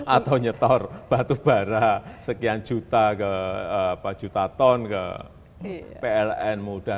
atau nyetor batu bara sekian juta ton ke pln mudah